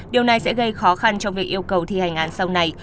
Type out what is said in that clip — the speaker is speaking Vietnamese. điều này sẽ gây khó khăn cho việc yêu cầu thi hành án sau này